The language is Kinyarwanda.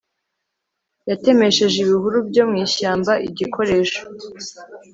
Yatemesheje ibihuru byo mu ishyamba igikoresho